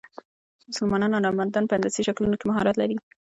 مسلمان هنرمندان په هندسي شکلونو کې مهارت لري.